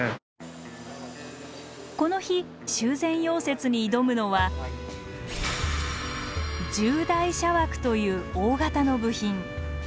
この日修繕溶接に挑むのは従台車枠という大型の部品。